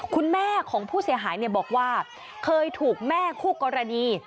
คุณแม่ของผู้เสียหายบอกว่าเคยถูกแม่คู่กรณี